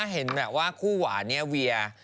เห็นแบบว่าคู่หวานเนี่ยเวีย